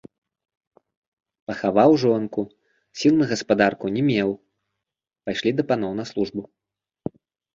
Пахаваў жонку, сіл на гаспадарку не меў, пайшлі да паноў на службу.